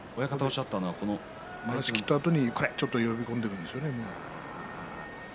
まわしを切ったあとに、ちょっと呼び込んでいるんですよね。